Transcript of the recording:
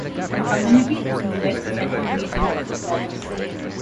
The community is in the west central region of the province.